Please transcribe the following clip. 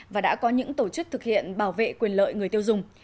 và đã có những tổ chức thực hiện bảo vệ quyền lợi người tiêu dùng